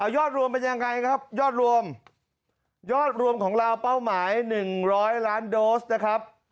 ยอดรวมเป็นยังไงครับยอดรวมยอดรวมของเราเป้าหมาย๑๐๐ล้านโดสนะครับ